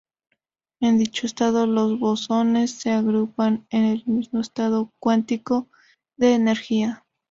En dicho estado, los bosones se agrupan en el mismo estado cuántico de energía.